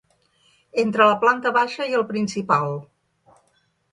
Entre la planta baixa i el principal.